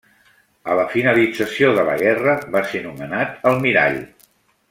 A la finalització de la guerra, va ser nomenat almirall.